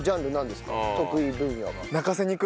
得意分野は。